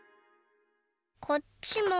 こっちも。